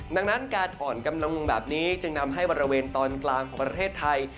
ดังนั้นการอ่อนกำลังลงแบบนี้จึงทำให้บริเวณตอนกลางของประเทศไทย